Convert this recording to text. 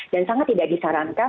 dan sangat tidak disarankan